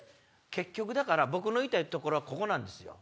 結局だから僕の言いたい所はここなんですよ。